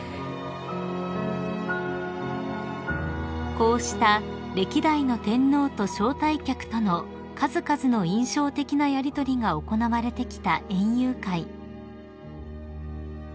［こうした歴代の天皇と招待客との数々の印象的なやりとりが行われてきた園遊会］